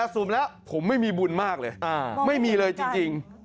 สุ่มแล้วผมไม่มีบุญมากเลยไม่มีเลยจริง